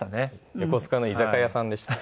横須賀の居酒屋さんでした。